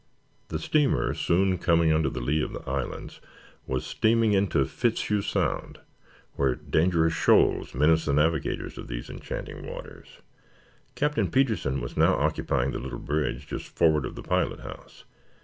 The steamer, soon coming under the lee of the islands, was steaming into Fitzhugh Sound, where dangerous shoals menace the navigators of these enchanting waters. Captain Petersen was now occupying the little bridge just forward of the pilot house.